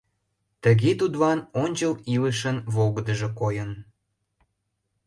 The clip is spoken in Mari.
Тыге тудлан ончыл илышын волгыдыжо койын.